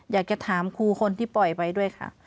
อยากจะถามครูคนที่ปล่อยไปด้วยค่ะ